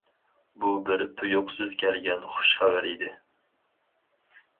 بۇ بىر تۇيۇقسىز كەلگەن خۇش خەۋەر ئىدى.